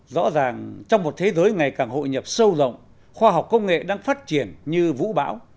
rõ ràng trong một thế giới ngày càng hội nhập sâu rộng khoa học công nghệ đang phát triển như vũ bão